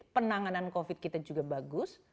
penanganan covid kita juga bagus